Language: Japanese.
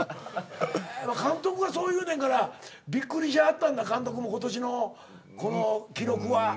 監督がそう言うねんからびっくりしはったんだ監督も今年のこの記録は。